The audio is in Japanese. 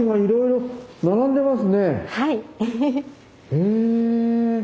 へえ。